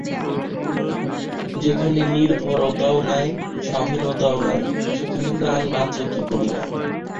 যেখানে নির্ভরতাও নাই, স্বাধীনতাও নাই, সেখানে প্রাণ বাঁচে কী করিয়া?